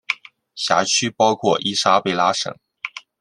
辖区包括伊莎贝拉省。